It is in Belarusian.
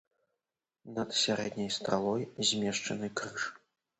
Над сярэдняй стралой змешчаны крыж.